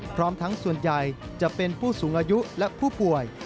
พร้อมทั้งส่วนใหญ่จะเป็นผู้สูงอายุและผู้ป่วย